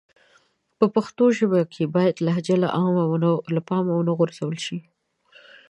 په پښتو ژبه کښي بايد لهجې له پامه و نه غورځول سي.